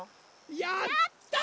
やった！